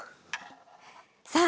さあ